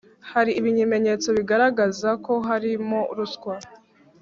hari ibimenyetso bigaragaza ko harimo ruswa